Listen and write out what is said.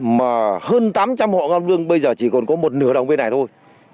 mà hơn tám trăm linh hộ ngon vương bây giờ chỉ còn có một nửa đồng bên này thôi